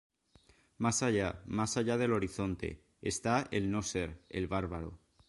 Más allá, más allá del horizonte, está el no-ser, el bárbaro.